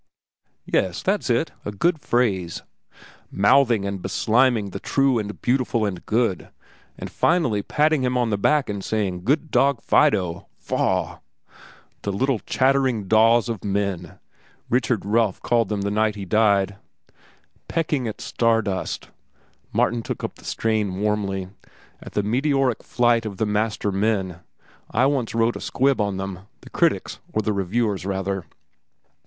"Yes, that's it, a good phrase,—mouthing and besliming the True, and Beautiful, and Good, and finally patting him on the back and saying, 'Good dog, Fido.' Faugh! 'The little chattering daws of men,' Richard Realf called them the night he died." "Pecking at star dust," Martin took up the strain warmly; "at the meteoric flight of the master men. I once wrote a squib on them—the critics, or the reviewers, rather."